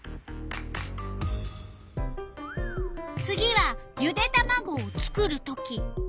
次はゆでたまごを作るとき。